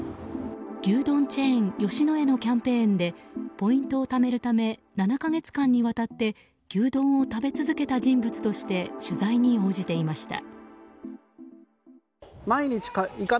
牛丼チェーン吉野家のキャンペーンでポイントをためるため７か月間にわたって牛丼を食べ続けた人物として取材に応じていました。